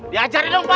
diajarin dong pak